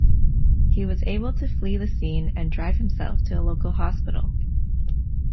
He was able to flee the scene and drive himself to a local hospital.